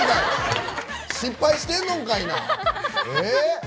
失敗してんのんかいな！